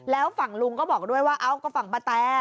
แล้วฝั่งลุงก็บอกด้วยว่าเอ้าก็ฝั่งป้าแต